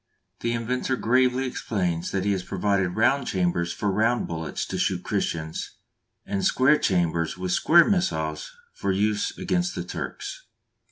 The inventor gravely explains that he has provided round chambers for round bullets to shoot Christians, and square chambers with square missiles for use against the Turks!